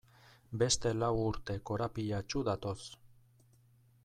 Beste lau urte korapilatsu datoz.